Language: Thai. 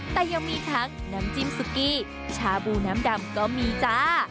แต่ยังมีทั้งน้ำจิ้มซุกี้ชาบูน้ำดำก็มีจ้า